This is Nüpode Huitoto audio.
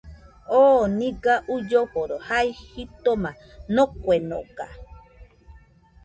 Oo nɨga uilloforo jai jitoma noguenoga